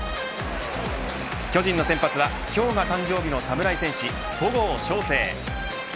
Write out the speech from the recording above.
巨人の先発は今日が誕生日の侍戦士戸郷翔征。